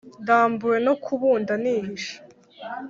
Ndambiwe no kubunda nihishe